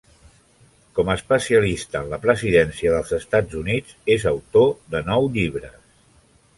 Com especialista en la presidència dels Estats Units, és autor de nou llibres.